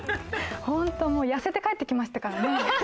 やせて帰ってきましたからね。